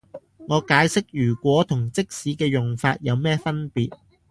我解釋如果同即使嘅用法有咩分別